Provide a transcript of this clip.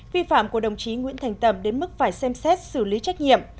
vi phạm của đồng chí nguyễn thành tẩm đến mức phải xem xét xử lý trách nhiệm